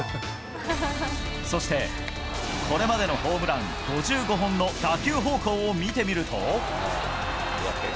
そして、これまでのホームラン５５本の打球方向を見てみると。